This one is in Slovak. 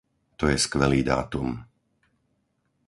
To je skvelý dátum.